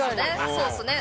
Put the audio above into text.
そうっすね。